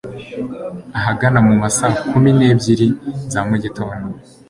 Ahagana mu ma saa kumi n'ebyiri za mu gitondo